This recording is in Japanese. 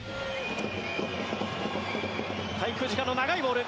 滞空時間の長いボール。